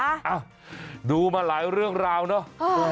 อ้าวดูมาหลายเรื่องราวเนอะ